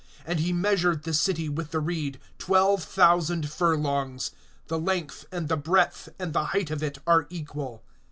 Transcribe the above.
And he measured the city with the reed, twelve thousand furlongs. The length, and the breadth, and the height of it are equal.